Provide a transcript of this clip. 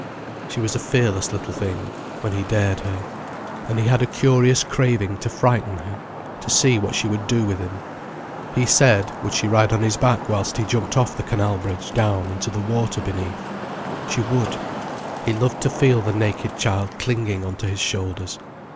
She was a fearless little thing, when he dared her. And he had a curious craving to frighten her, to see what she would do with him. He said, would she ride on his back whilst he jumped off the canal bridge down into the water beneath. She would. He loved to feel the naked child clinging on to his shoulders.